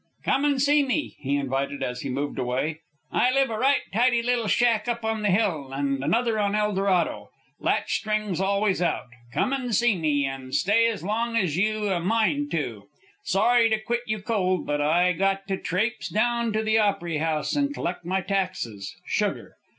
"Come an' see me," he invited, as he moved away. "I've a right tidy little shack up on the hill, and another on Eldorado. Latch string's always out. Come an' see me, an' stay ez long ez you've a mind to. Sorry to quit you cold, but I got to traipse down to the Opery House and collect my taxes, sugar.